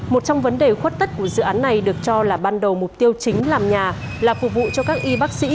một trong vấn đề khuất tất của dự án này được cho là ban đầu mục tiêu chính làm nhà là phục vụ cho các y bác sĩ